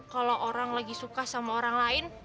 kalau orang lagi suka sama orang lain